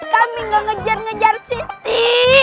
kami gak ngejar ngejar siti